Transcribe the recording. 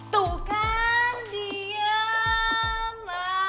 tuh kan diam